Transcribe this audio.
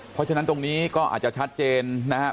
เพราะฉะนั้นตรงนี้ก็อาจจะชัดเจนนะครับ